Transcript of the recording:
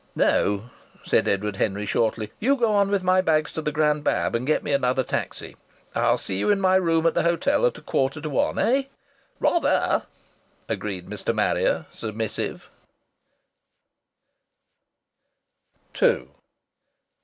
"No," said Edward Henry, shortly. "You go on with my bags to the Grand Bab, and get me another taxi. I'll see you in my room at the hotel at a quarter to one. Eh?" "Rather!" agreed Mr. Marrier, submissive.